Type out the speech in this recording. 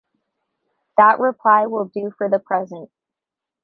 That reply will do for the present.